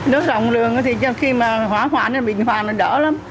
nếu rộng lượng thì khi mà hỏa hoạn thì bệnh hoạn là đỡ lắm